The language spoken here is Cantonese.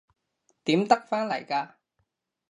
點得返嚟㗎？